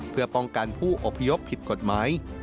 เพื่อป้องกันผู้อพยพผิดกฎหมาย